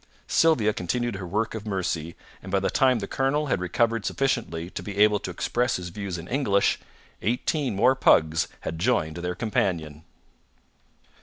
Sylvia continued her work of mercy, and by the time the colonel had recovered sufficiently to be able to express his views in English, eighteen more pugs had joined their companion.